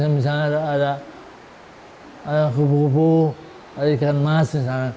misalnya ada kubu kubu ikan emas